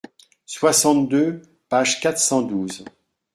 soixante-deux, page quatre cent douze.